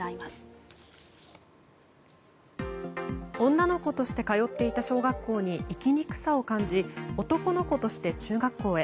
女の子として通っていた小学校に生きにくさを感じ男の子として中学校へ。